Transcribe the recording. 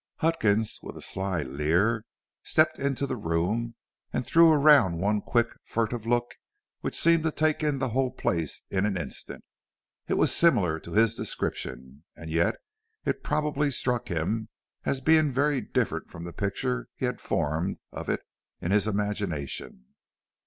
Huckins, with a sly leer, stepped into the room, and threw around one quick, furtive look which seemed to take in the whole place in an instant. It was similar to his description, and yet it probably struck him as being very different from the picture he had formed of it in his imagination.